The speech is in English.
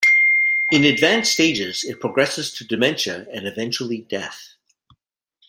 In advanced stages it progresses to dementia and eventually death.